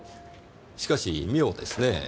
しかし妙ですねぇ。